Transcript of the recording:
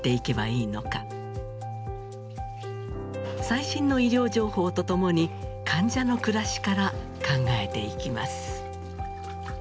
最新の医療情報とともに患者の暮らしから考えていきます。